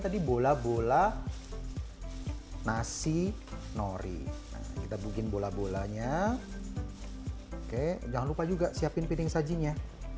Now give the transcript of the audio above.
tadi bola bola nasi nori kita bikin bola bolanya oke jangan lupa juga siapin piring sajinya